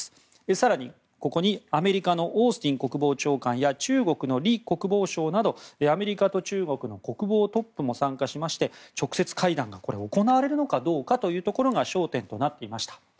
更にここに、アメリカのオースティン国防長官や中国のリ国防相などアメリカと中国の国防トップも参加しまして直接会談が行われるのかどうかというのが焦点となっていました。